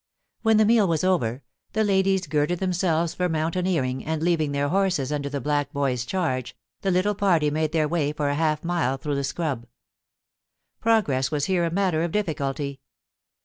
When the meal was over, the ladies girded themselves fgr mountaineering, and, leaving their horses under the black boy^s charge, the little party made their way for half a mile through the scrub. Progress was here a matter of difficulty.